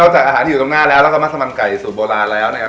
จากอาหารที่อยู่ตรงหน้าแล้วแล้วก็มัสมันไก่สูตรโบราณแล้วนะครับ